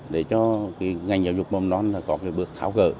để cho ngành giáo dục mầm non có bước tháo gỡ